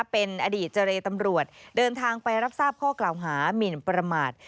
เป็นอดีตเจรตำรวจเดินทางไปรับทราบข้อกล่าวหามินประมาท